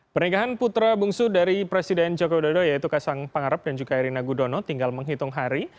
pernikahan putra bungsu dari presiden joko widodo yaitu kasang pangarep dan juga erina gudono tinggal menghitung hari